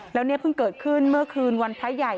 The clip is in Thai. แล้วเนี่ยเพิ่งเกิดขึ้นเมื่อคืนวันพระใหญ่